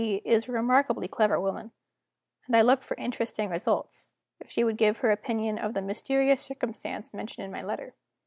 is a remarkably clever woman, and I looked for interesting results, if she would give her opinion of the mysterious circumstance mentioned in my letter."